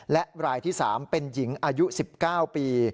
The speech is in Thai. และรายที่๓เป็นหญิงอายุ๑๙ปี